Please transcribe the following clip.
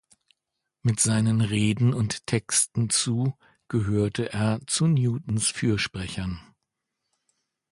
Mit seinen Reden und Texten zu gehörte er zu Newtons Fürsprechern.